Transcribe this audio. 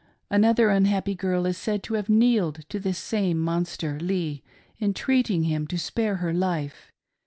Another unhappy girl is said to have kneeled to this same monster Lee, entreating him to spare her life.